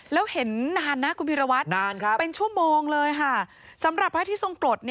แล้วเห็นนานนะกูพิรวัติเป็นชั่วโมงเลยครับสำหรับว่าอาทิตย์ทรงกรด